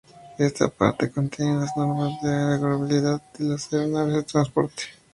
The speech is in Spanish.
Esta parte contiene las normas de aeronavegabilidad de las aeronaves de transporte.